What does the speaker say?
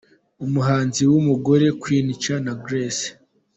Umuhanzi w’ umugore : Queen Cha na Grace .